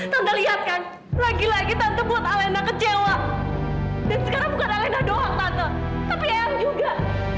tante lihat kan lagi lagi tante buat alenda kecewa dan sekarang bukan alenda doang tante tapi ayah juga